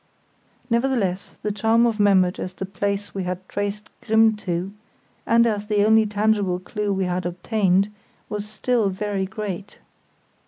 Nevertheless, the charm of Memmert as the place we had traced Grimm to, and as the only tangible clue we had obtained, was still very great.